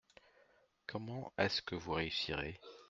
Comment est-ce que vous réussirez ?